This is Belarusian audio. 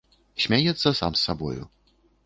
Смяецца сам з сабою.